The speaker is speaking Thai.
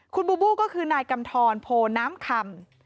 คุณบูบูก็คือนายกำทรโพน้ำคำ